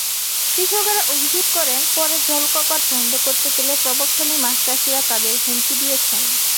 কৃষকেরা অভিযোগ করেন, পরে জলকপাট বন্ধ করতে গেলে প্রভাবশালী মাছচাষিরা তাঁদের হুমকি দিয়েছেন।